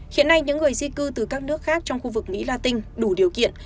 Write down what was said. hiện nay những người di cư từ các nước khác trong khu vực mỹ latin đủ điều kiện